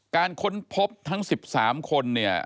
ค้นพบทั้ง๑๓คนเนี่ย